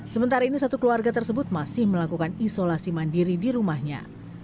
sementara ini satu keluarga tersebut masih melakukan isolasi mandiri di rumahnya